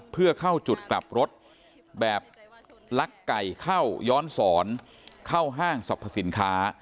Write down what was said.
เพื่อเข้าจุดกลับรถแบบลักไก่เข้าย้อนสอนเข้าห้างสรรพสินค้า